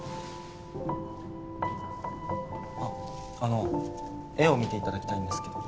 あっあの絵を見ていただきたいんですけど